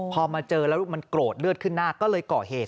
พอมาเจอแล้วมันโกรธเลือดขึ้นหน้าก็เลยก่อเหตุ